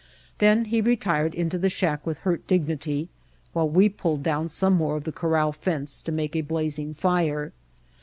Then he retired into the shack with hurt dignity, while we pulled down some more of the corral fence to make a blazing fire.